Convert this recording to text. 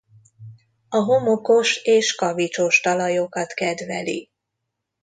A homokos és kavicsos talajokat kedveli.